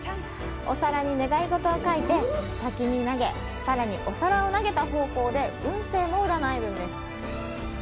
お皿に願い事を書いて滝に投げ、さらにお皿を投げた方向で運勢も占えるんです。